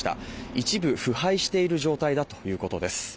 一部腐敗している状態だということです